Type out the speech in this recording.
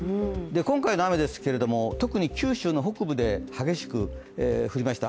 今回の雨ですけれども、特に九州北部で激しく降りました。